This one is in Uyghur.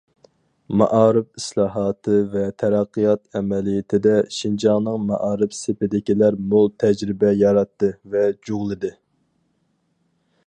مائارىپ ئىسلاھاتى ۋە تەرەققىيات ئەمەلىيىتىدە شىنجاڭنىڭ مائارىپ سېپىدىكىلەر مول تەجرىبە ياراتتى ۋە جۇغلىدى.